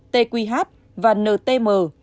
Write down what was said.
tqh và ntm